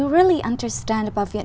rất khác biệt